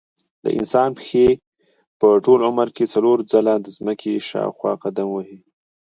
د انسان پښې په ټول عمر کې څلور ځلې د ځمکې شاوخوا قدم وهي.